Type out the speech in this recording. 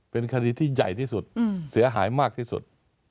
เป็นคดีที่ใหญ่ที่สุดเสียหายมากที่สุด